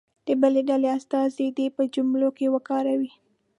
د بلې ډلې استازی دې په جملو کې وکاروي.